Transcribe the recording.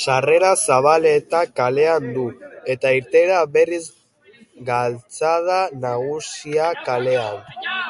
Sarrera Zabaleta kalean du, eta irteera berriz, Galtzada Nagusia kalean.